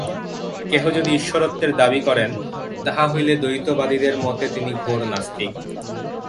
কেহ যদি ঈশ্বরত্বের দাবী করেন, তাহা হইলে দ্বৈতবাদীদের মতে তিনি ঘোর নাস্তিক।